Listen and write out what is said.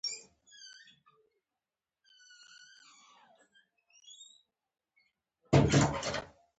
یو څه بیا عجیبه و.